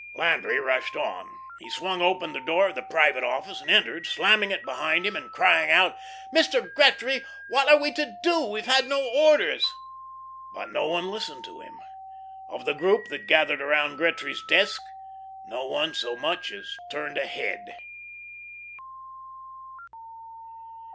Landry rushed on. He swung open the door of the private office and entered, slamming it behind him and crying out: "Mr. Gretry, what are we to do? We've had no orders." But no one listened to him. Of the group that gathered around Gretry's desk, no one so much as turned a head.